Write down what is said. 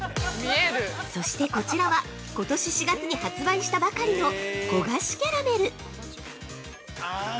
◆そしてこちらは、ことし４月に発売したばかりの「焦がしキャラメル」！